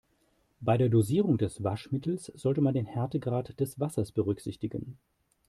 Bei der Dosierung des Waschmittels sollte man den Härtegrad des Wassers berücksichtigen.